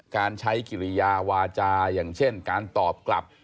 การใช้กิริยาวาจาอย่างเช่นการตอบกลับ